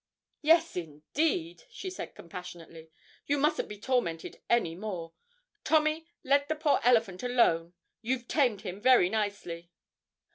'Yes, indeed,' she said compassionately; 'you mustn't be tormented any more. Tommy, let the poor elephant alone; you've tamed him very nicely.'